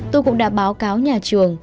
tôi cũng đã báo cáo nhà trường